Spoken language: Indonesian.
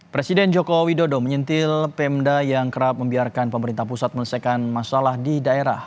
presiden joko widodo menyentil pemda yang kerap membiarkan pemerintah pusat melesaikan masalah di daerah